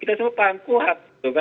kita semua paham kuat